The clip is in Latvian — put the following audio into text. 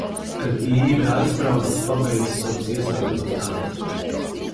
Kad Īve aizbrauca, es pabeidzu savus iesāktos darbus.